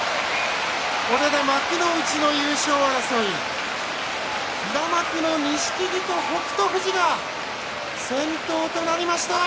これで幕内の優勝争い平幕の錦木と北勝富士が先頭となりました。